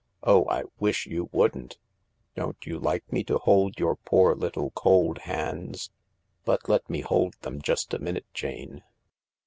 " Oh, I wish you wouldn't I "" Don't you like me to hold your poor little cold hands ? But let me hold them just a minute, Jane.